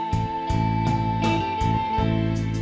เธอเย็นชาติเธออยากรู้